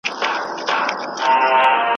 ما د نیل په سیند لیدلي ډوبېدل د فرعونانو